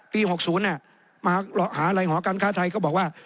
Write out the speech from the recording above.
ปี๖๐อะมาหาไรเหรอการฆ่าไทยก็บอกว่า